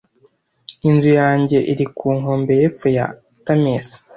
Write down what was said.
Inzu yanjye iri ku nkombe yepfo ya Thames.